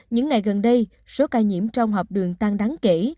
những ngày gần đây số ca nhiễm trong học đường tăng đáng kể